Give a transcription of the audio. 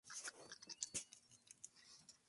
Comprende la parte más oriental del golfo de Vizcaya.